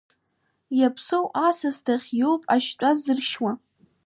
Иаԥсоу асас дахь иоуп ашьтәа ззыршьуа.